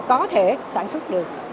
có thể sản xuất được